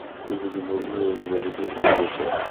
বিভীষণ বোধহয় একেবারেই দূর হয়েছে।